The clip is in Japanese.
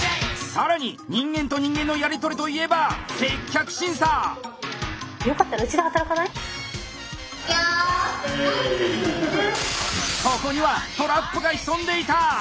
さらに人間と人間のやり取りといえばそこにはトラップが潜んでいた！